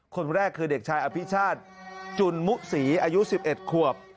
คนแรกคือเด็กชายอภิชาติจุนมุศรีอายุ๑๑ขวบ